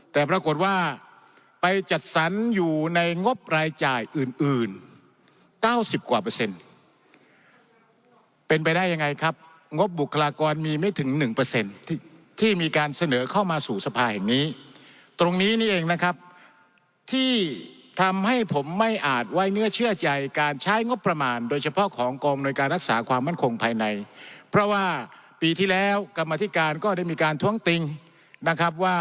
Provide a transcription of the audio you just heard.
แต่ปรากฏว่าไปจัดสรรอยู่ในงบรายจ่ายอื่นอื่น๙๐กว่าเปอร์เซ็นต์เป็นไปได้ยังไงครับงบบุคลากรมีไม่ถึง๑ที่มีการเสนอเข้ามาสู่สภาแห่งนี้ตรงนี้นี่เองนะครับที่ทำให้ผมไม่อาจไว้เนื้อเชื่อใจการใช้งบประมาณโดยเฉพาะของกองอำนวยการรักษาความมั่นคงภายในเพราะว่าปีที่แล้วกรรมธิการก็ได้มีการท้วงติงนะครับว่า